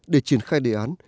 để triển khai đề án